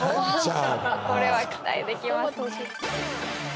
これは期待できますね。